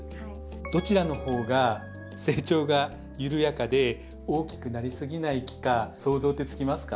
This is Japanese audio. どちらの方が成長が緩やかで大きくなりすぎない木か想像ってつきますか？